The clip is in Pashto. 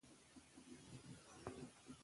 که ارامي وي نو فکر نه ګډوډیږي.